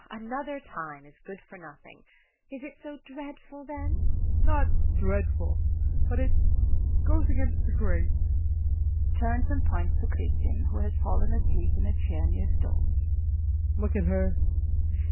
JULIE. "Another time" is a good for nothing. Is it so dreadful then? JEAN. Not dreadful but it goes against the grain. [Turns and points to Kristin, who has fallen asleep in a chair near stove]. Look at her.